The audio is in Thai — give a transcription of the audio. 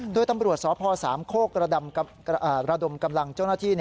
โดยตำรวจสพสามโคกระดมกำลังเจ้าหน้าที่